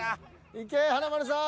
いけ華丸さん。